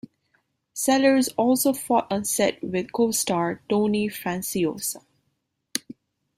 Sellers also fought on set with co-star Tony Franciosa.